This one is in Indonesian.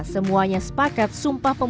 semuanya sepakat sumpah pemuda